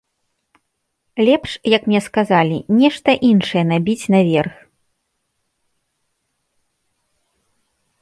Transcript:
Лепш, як мне сказалі, нешта іншае набіць наверх.